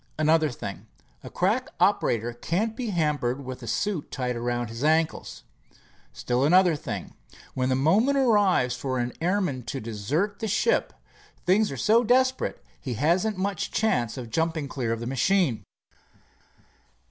Another thing, a crack operator can't be hampered with a suit tied around his ankles. Still another thing, when the moment arrives for an airman to desert the ship, things are so desperate he hasn't much chance of jumping clear of the machine."